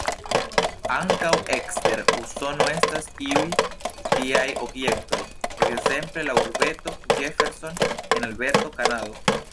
Ankaŭ ekster Usono estas iuj tiaj objektoj, ekzemple la urbeto "Jefferson" en Alberto, Kanado.